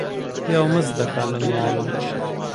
پیاو مەست دەکا لە نواڵە